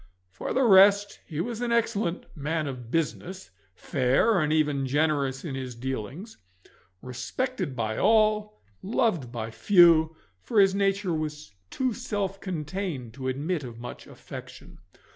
For the rest, he was an excellent man of business, fair and even generous in his dealings, respected by all and loved by few, for his nature was too self contained to admit of much affection.